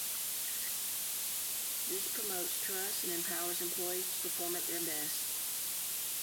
This promotes trust and empowers employees to perform at their best.